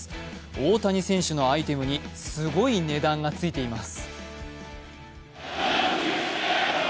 大谷選手のアイテムにすごい値段がついています。